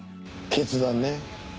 決断ね。